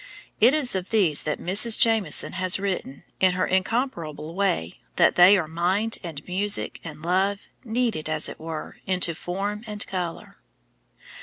It is of these that Mrs. Jameson has written, in her incomparable way, that they are "mind and music and love, kneaded, as it were, into form and color."